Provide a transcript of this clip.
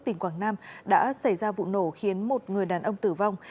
tỉnh quảng nam đã xảy ra vụ nổ khiến một người đàn ông tử vong